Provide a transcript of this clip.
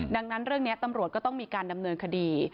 ดังนั้นเรื่องนี้ตำรวจก็ต้องมีการดำเนินคดี